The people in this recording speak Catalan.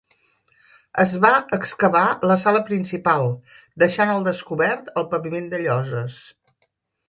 Es va excavar la sala principal, deixant al descobert el paviment de lloses.